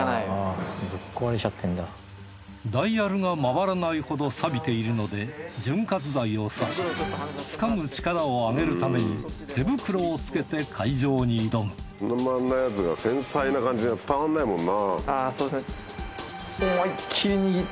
ダイヤルが回らないほどサビているので潤滑剤を差しつかむ力を上げるために手袋をつけて開錠に挑むこんな回んないやつが繊細な感じが伝わんないもんな。